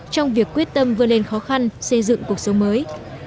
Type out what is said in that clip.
trong việc quyết tâm vươn lên khó khăn xây dựng cuộc sống mới